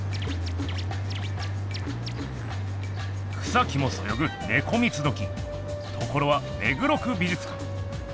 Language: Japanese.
草木もそよぐネコ三つどきところは目黒区美術館。